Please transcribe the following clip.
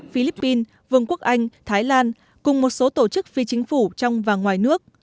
philippines vương quốc anh thái lan cùng một số tổ chức phi chính phủ trong và ngoài nước